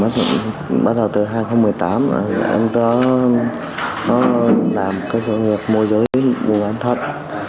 từ năm hai nghìn một mươi tám em có làm công nghiệp mua giới vụ bán thận